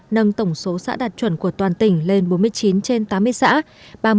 nâng tổng số xã đạt chuẩn của toàn tỉnh lên bốn mươi chín trên tám mươi xã